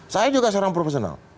saya juga seorang profesional